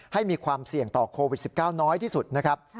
ให้มีความเสี่ยงต่อโควิด๑๙น้อยที่สุดนะครับ